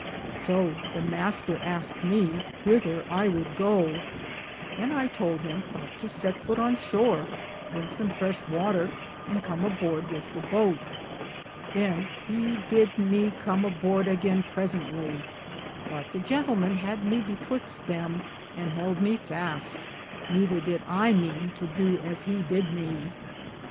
So the Mr. asked me whether I would go, and I tould him but to sett foute on shore, drinke som freshe water, and com aborde with the boate. Than he bid me come aborde againe presently, but the jentlmen had me betwyxte them, and helde me faste; nether did I meane to dow as he bid me.